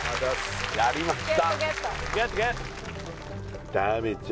やりました